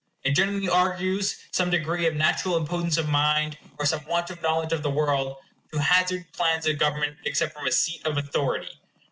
It generally argues some degree of natural impotence of mind, or some want of knowledge of the world, to hazard plans of government except from a seat of authority.